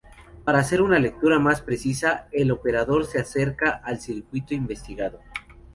Para hacer una lectura más precisa, el operador se acerca al circuito investigado.